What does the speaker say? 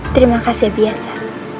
terima kasih biasa